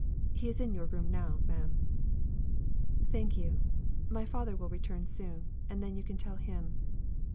He is in your room now, ma'am." "Thank you. My father will return soon, and then you can tell him."